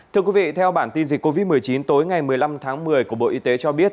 thưa quý vị theo bản tin dịch covid một mươi chín tối ngày một mươi năm tháng một mươi của bộ y tế cho biết